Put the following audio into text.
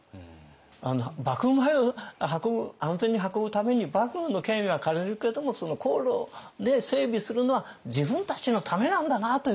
幕府米を安全に運ぶために幕府の権威は借りるけどもその航路で整備するのは自分たちのためなんだなということ。